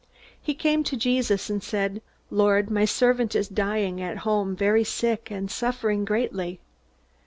He came to Jesus, and said, "Lord, my servant is lying at home, very sick and suffering greatly."